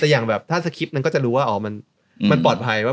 แต่อย่างแบบถ้าสคริปต์มันก็จะรู้ว่าอ๋อมันปลอดภัยว่า